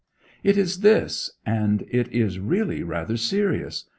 'It is this and it is really rather serious.